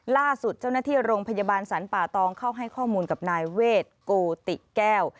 ล่าสุดเจ้าหน้าที่โรงพยาบาลสรรป่าตองเข้าให้ข้อมูลกับนายเวทโกติแก้ว